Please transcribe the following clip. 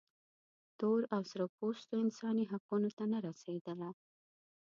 تور او سره پوستو انساني حقونو ته نه رسېدله.